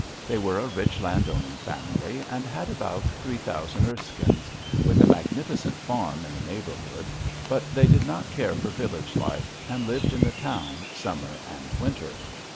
They were a rich landowning family, and had about three thousand urskins, with a magnificent farm in the neighbourhood, but they did not care for village life and lived in the town summer and winter.